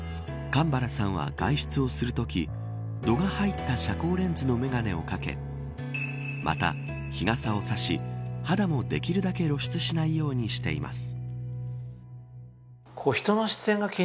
神原さんは外出をするとき度が入った遮光レンズの眼鏡をかけまた、日傘を差し肌もできるだけ露出しないようにしています。